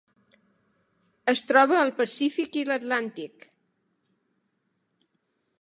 Es troba al Pacífic i l'Atlàntic.